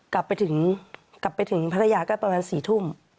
กลับไปถึงพัทยาก็ตอนนั้น๔ทุ่ม